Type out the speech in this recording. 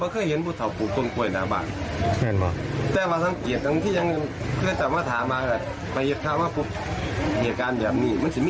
คุณผู้ชมคะส่วนบรรยากาศของวันนี้